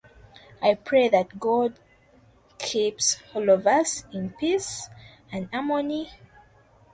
Due to foreshortening, the crater appears highly oval when viewed from the Earth.